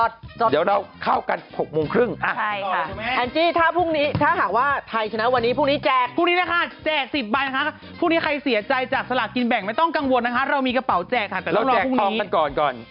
เดี๋ยวเราเข้ากัน๖โมงครึ่ง